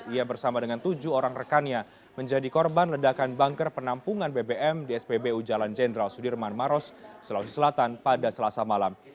ia bersama dengan tujuh orang rekannya menjadi korban ledakan banker penampungan bbm di spbu jalan jenderal sudirman maros sulawesi selatan pada selasa malam